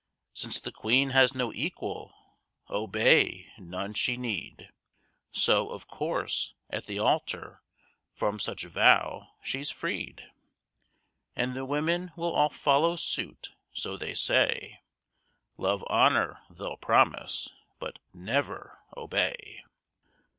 Since the Queen has no equal, "obey" none she need, So, of course, at the altar, from such vow she's freed; And the women will all follow suit, so they say "Love, honour," they'll promise, but never "obey."